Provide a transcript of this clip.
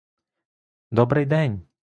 — Добрий день!